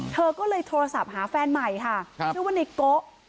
เธอก็เลยโทรศัพท์หาแฟนใหม่ค่ะชื่อว่าในโก